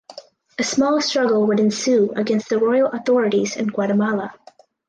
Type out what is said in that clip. A small struggle would ensue against the royal authorities in Guatemala.